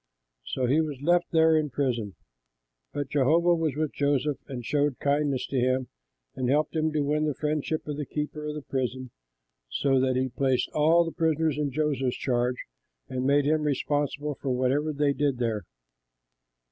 So he was left there in prison. But Jehovah was with Joseph and showed kindness to him and helped him to win the friendship of the keeper of the prison, so that he placed all the prisoners in Joseph's charge and made him responsible for whatever they did there.